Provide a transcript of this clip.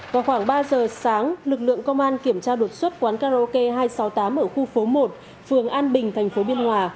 vào khoảng ba giờ sáng lực lượng công an kiểm tra đột xuất quán karaoke hai trăm sáu mươi tám ở khu phố một phường an bình thành phố biên hòa